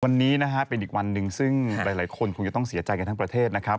วันนี้นะฮะเป็นอีกวันหนึ่งซึ่งหลายคนคงจะต้องเสียใจกันทั้งประเทศนะครับ